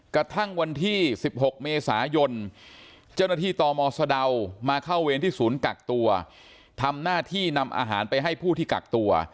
กระทั่งวันที่๑๖เมษายนเจ้าหน้าที่ตมสะดาวมาเข้าเวรที่ศูนย์กักตัวทำหน้าที่นำอาหารไปให้ผู้ที่กักตัว